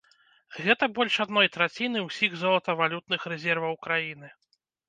Гэта больш адной траціны ўсіх золатавалютных рэзерваў краіны.